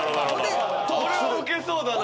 これはウケそうだな。